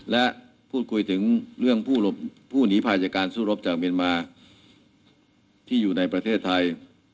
และพูดคุยถึงเรื่องผู้หนีภายจากการสู้รบจากเมียนมาที่อยู่ในประเทศไทย